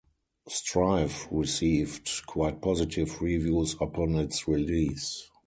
"Strife" received quite positive reviews upon its release.